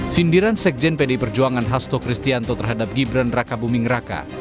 sindiran sekjen pdi perjuangan hasto kristianto terhadap gibran raka buming raka